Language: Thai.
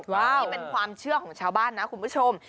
นี่เป็นความเชื่อของชาวบ้านนะคุณผู้ชม